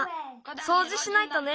そうじしないとね。